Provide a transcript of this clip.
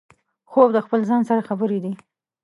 خوب د خپل ځان سره خبرې دي